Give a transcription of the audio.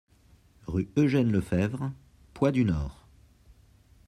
Rue Eugène Lefebvre, Poix-du-Nord